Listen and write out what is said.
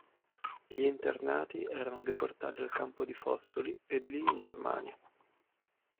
Gli internati erano deportati al campo di Fossoli e di lì in Germania.